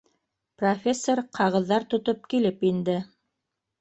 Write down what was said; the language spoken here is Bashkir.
Профессор ҡағыҙҙар тотоп килеп инде.